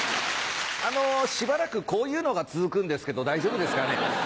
あのしばらくこういうのが続くんですけど大丈夫ですかね？